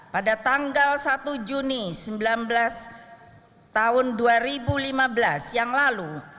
pada tanggal satu juni tahun dua ribu lima belas yang lalu